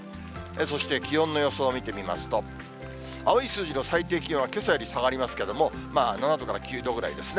そして、気温の予想を見てみますと、青い数字の最低気温はけさより下がりますけれども、７度から９度ぐらいですね。